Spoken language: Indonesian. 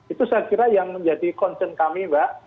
itu saya kira yang menjadi concern kami mbak